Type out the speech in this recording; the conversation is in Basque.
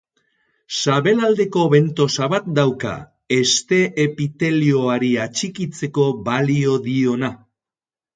Sabelaldeko bentosa bat dauka, heste-epitelioari atxikitzeko balio diona.